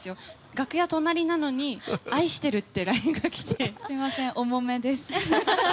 楽屋、隣なのに愛してるってＬＩＮＥが来て。すみません、重めです。